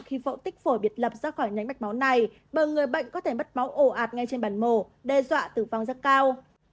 khi phẫu tích phổi biệt lập ra khỏi nhánh mạch máu này bởi người bệnh có thể mất máu ổ ạt ngay trên bàn mổ đe dọa tử vong rất cao